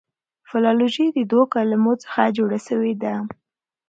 فلالوژي د دوو کلمو څخه جوړه سوې ده.